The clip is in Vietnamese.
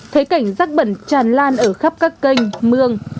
thấy cảnh rác bẩn tràn lan ở khắp các kênh mương